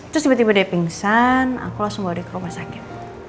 terus tiba tiba dia pingsan aku langsung lari ke rumah sakit